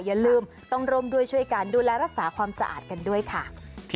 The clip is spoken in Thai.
อย่าลืมต้องร่วมด้วยช่วยกันดูแลรักษาความสะอาดกันด้วยค่ะ